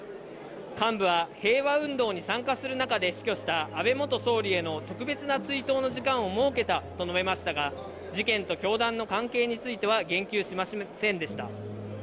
幹部は平和運動に参加する中で死去した、安倍元総理への特別な追悼の時間を設けたと述べましたが、事件と教団の関係については言及しませんでした。